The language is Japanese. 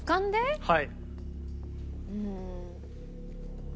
はい。